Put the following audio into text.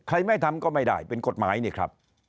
ไม่ทำก็ไม่ได้เป็นกฎหมายนี่ครับ